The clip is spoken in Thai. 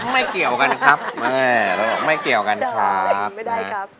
ไม่เกี่ยวกันครับไม่เกี่ยวกันครับไม่ได้ครับ